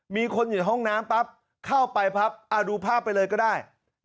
มีคนอยู่ในห้องน้ำปั๊บเข้าไปปั๊บดูภาพไปเลยก็ได้